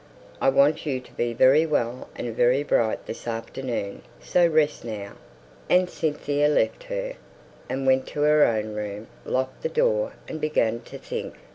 I want you to be very well and very bright this afternoon: so rest now." And Cynthia left her, and went to her own room, locked the door, and began to think.